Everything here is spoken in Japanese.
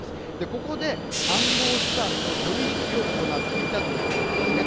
ここで暗号資産の取り引きを行っていたということなんですね。